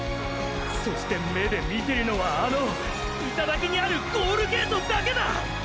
そして目で見てるのはあの頂にあるゴールゲートだけだ！！